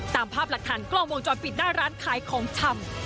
ตามภาพหลักฐานกล้องวงจรปิดหน้าร้านขายของชำ